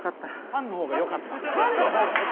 「パンの方がよかった」？